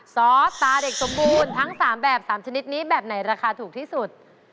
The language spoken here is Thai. ซอสตาเด็กสมบูรณ์ทั้ง๓แบบ๓ชนิดนี้แบบไหนราคาถูกที่สุด